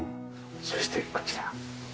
そしてこちら。